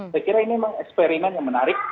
saya kira ini memang eksperimen yang menarik